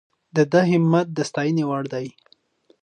د ده همت د ستاینې وړ دی.